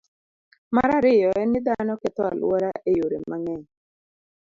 Mar ariyo en ni, dhano ketho alwora e yore mang'eny.